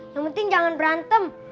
yang penting jangan berantem